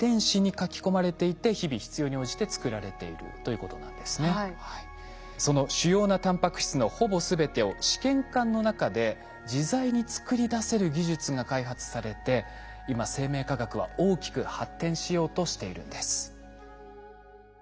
こうした多様なその主要なタンパク質のほぼ全てを試験管の中で自在に作り出せる技術が開発されて今生命科学は大きく発展しようとしているんです。